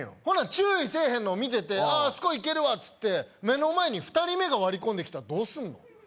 ほな注意せえへんのを見てて「あああそこイケるわ」つって目の前に２人目が割り込んできたらどうすんの？